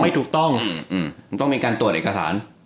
มันต้องมีการตรวจเอกสาร